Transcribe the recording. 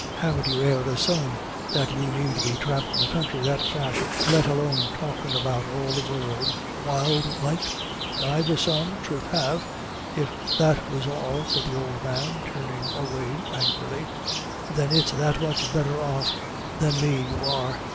Haven't you e'er a son, that you need be thrampin' the counthry that fashion, let alone talkin' about all the world, wild like?" "I've a son, troth have I, if that was all," said the old man, turning away, angrily. "Then it's that much better off than me you are.